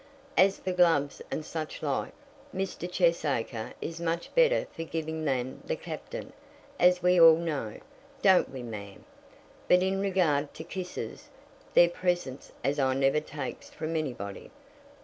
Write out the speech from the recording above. "As for gloves and such like, Mr. Cheesacre is much better for giving than the Captain; as we all know; don't we, ma'am? But in regard to kisses, they're presents as I never takes from anybody.